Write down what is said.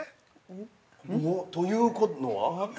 ◆ということは？